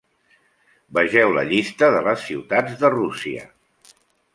Vegeu la Llista de les ciutats de Rússia.